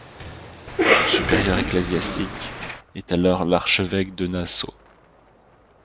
Son supérieur ecclésiastique est alors l'archevêque de Nassau.